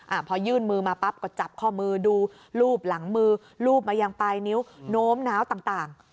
พอยื่นมือมาปั๊บก็จับข้อมือดูรูปหลังมือรูปมายังปลายนิ้วโน้มน้าวต่างต่าง